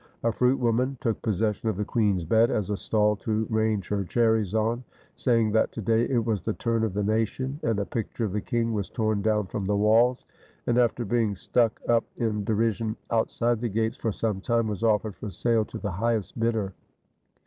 A fruit woman took possession of the queen's bed as a stall to range her cherries on, saying that to day it was the turn of the nation; and a picture of the king was torn down from the walls, and after being stuck up in derision out side the gates for some time, was offered for sale to the highest bidder.